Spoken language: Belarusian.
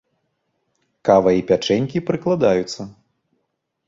Кава і пячэнькі прыкладаюцца.